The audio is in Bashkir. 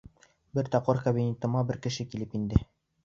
Бер тапҡыр кабинетыма бер кеше килеп инде.